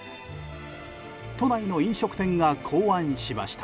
都内の飲食店が考案しました。